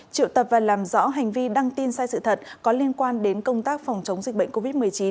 triệu tập và làm rõ hành vi đăng tin sai sự thật có liên quan đến công tác phòng chống dịch bệnh covid một mươi chín